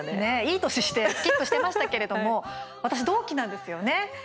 いい年してスキップしてましたけれども私、同期なんですよね。